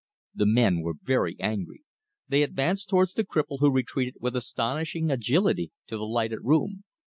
The men were very angry. They advanced toward the cripple, who retreated with astonishing agility to the lighted room.